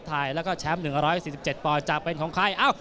ถ่ายแล้วก็แชมป์๑๔๗ปอลจะเป็นของใคร